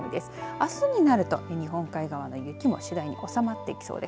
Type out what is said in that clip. あすになると日本海側の雪も次第に収まってきそうです。